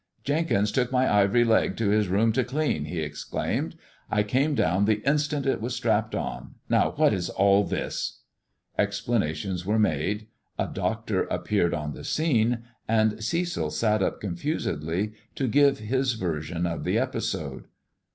" Jenkins took my ivory leg to his room to clean," he explained. "I came down the instant it was strapped on. Kow what is all this J " Explanations were made, a doctor appeared on the scene, '■ A king's and Cecil sat up confusedly to give his version of the episode.